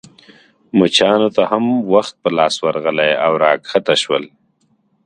مچانو ته هم وخت په لاس ورغلی او راکښته شول.